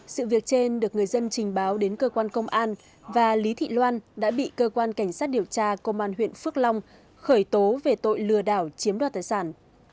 sự việc trên được người dân trình báo đến cơ quan công an và lý thị loan đã bị cơ quan cảnh sát điều tra công an huyện phước long khởi tố về tội lừa đảo chiếm đoạt tài sản